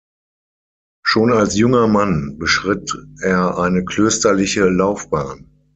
Schon als junger Mann beschritt er eine klösterliche Laufbahn.